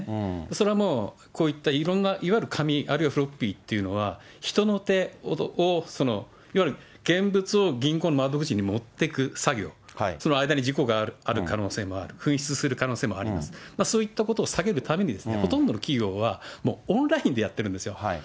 それはもう、こういったいろんな紙、あるいはフロッピーっていうのは、人の手をいわゆる現物を銀行の窓口に持っていく作業、その間に事故がある可能性もある、紛失する可能性もあります、そういったことを避けるために、ほとんどの企業は、もうオンラインでやってるんですよ。